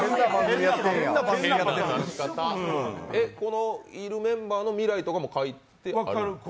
えっ、このいるメンバーの未来とかも書いてる？